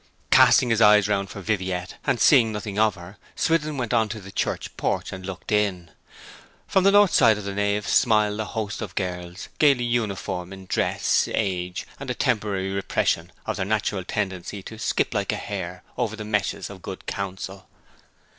Casting his eyes round for Viviette, and seeing nothing of her, Swithin went on to the church porch, and looked in. From the north side of the nave smiled a host of girls, gaily uniform in dress, age, and a temporary repression of their natural tendency to 'skip like a hare over the meshes of good counsel.'